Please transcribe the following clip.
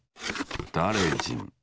だれじん。